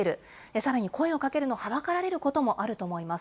さらに声をかけるのがはばかられることもあると思います。